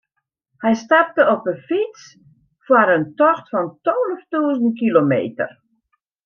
Hy stapte op de fyts foar in tocht fan tolve tûzen kilometer.